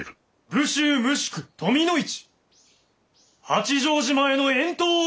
武州無宿富の市八丈島への遠島を申し渡す。